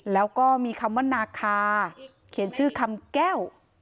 แล้วก็มีคำว่านาคาเขียนชื่อคำแก้ว